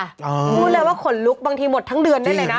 พูดเลยว่าขนลุกบางทีหมดทั้งเดือนได้เลยนะ